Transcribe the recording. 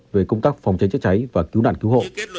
về công tác phòng cháy chữa cháy và cứu nạn cứu hộ